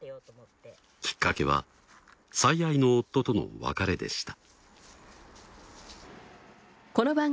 きっかけは最愛の夫との別れでした。